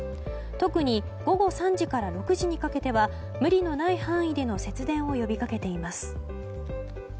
特に午後３時から６時にかけては無理のない範囲での節電を呼びかけています。